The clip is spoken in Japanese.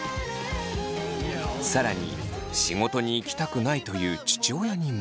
更に仕事に行きたくないという父親にも。